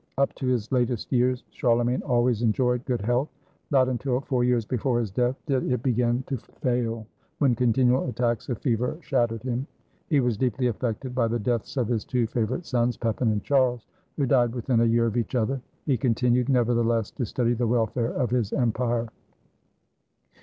Up to his latest years Charlemagne always enjoyed good health. Not until four years before his death did 1 66 CHARLEMAGNE, EMPEROR OF THE WEST it begin to fail, when continual attacks of fever shattered him. He was deeply affected by the deaths of his two favorite sons, Pepin and Charles, who died within a year of each other. He continued, nevertheless, to study the welfare of his empire.